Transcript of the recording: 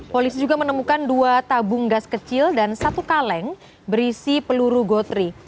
polisi juga menemukan dua tabung gas kecil dan satu kaleng berisi peluru gotri